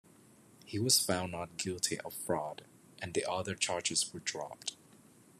He was found not guilty of fraud, and the other charges were dropped.